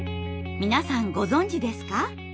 皆さんご存じですか？